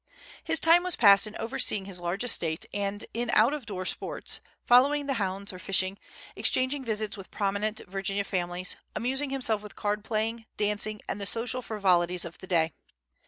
His time was passed in overseeing his large estate, and in out of door sports, following the hounds or fishing, exchanging visits with prominent Virginia families, amusing himself with card playing, dancing, and the social frivolities of the day.